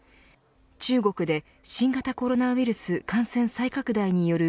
中国で新型コロナウイルス感染再拡大による